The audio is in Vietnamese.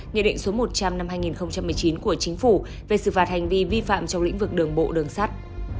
nghị định số một trăm linh năm hai nghìn một mươi chín của chính phủ về xử phạt hành vi vi phạm trong lĩnh vực đường bộ đường sắt